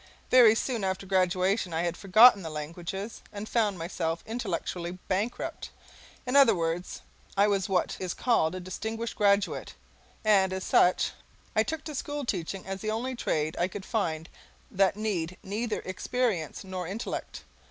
Very soon after graduation I had forgotten the languages, and found myself intellectually bankrupt. In other words I was what is called a distinguished graduate, and, as such, I took to school teaching as the only trade I could find that need neither experience nor intellect.